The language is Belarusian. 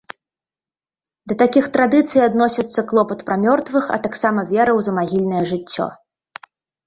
Да такіх традыцый адносяцца клопат пра мёртвых, а таксама вера ў замагільнае жыццё.